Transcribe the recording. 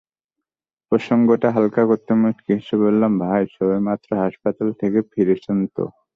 প্রসঙ্গটা হালকা করতে মুচকি হেসে বললাম, ভাই সবেমাত্র হাসপাতাল থেকে ফিরেছেন তো।